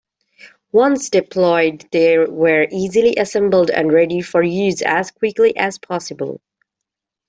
Once deployed, they were easily assembled and ready for use as quickly as possible.